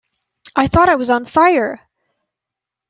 I thought I was on fire!